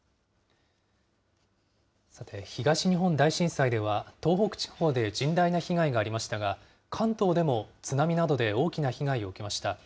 さて、東日本大震災では、東北地方で甚大な被害がありましたが、関東でも津波などで大きな被害を受けました。